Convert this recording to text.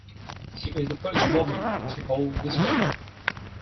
She is the first woman to hold this rank.